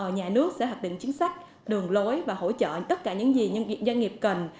nhà nước sẽ hoạt định chính sách đường lối và hỗ trợ tất cả những gì doanh nghiệp cần